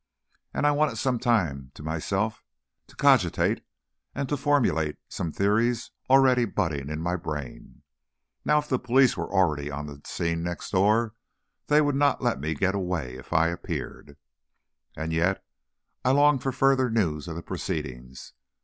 And I wanted some time to myself, to cogitate, and to formulate some theories already budding in my brain. Now if the police were already on the scene next door, they would not let me get away, if I appeared. And yet, I longed for further news of the proceedings.